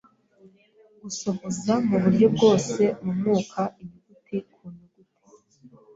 gusohoza mu buryo bwose, mu mwuka, inyuguti ku nyuguti